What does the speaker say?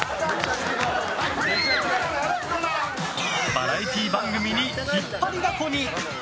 バラエティー番組に引っ張りだこに！